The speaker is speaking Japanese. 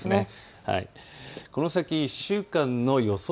この先、１週間の予想